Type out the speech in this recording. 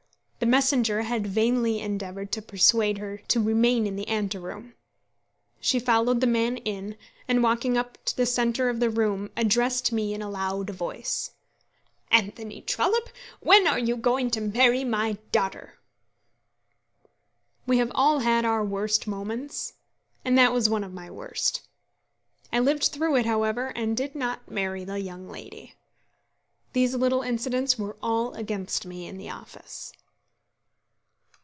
The messenger had vainly endeavoured to persuade her to remain in the ante room. She followed the man in, and walking up the centre of the room, addressed me in a loud voice: "Anthony Trollope, when are you going to marry my daughter?" We have all had our worst moments, and that was one of my worst. I lived through it, however, and did not marry the young lady. These little incidents were all against me in the office.